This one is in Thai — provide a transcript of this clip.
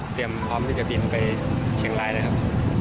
พร้อมที่จะบินไปเชียงรายนะครับ